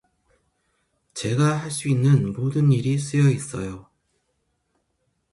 제가 할 수 있는 모든 일이 쓰여 있어요.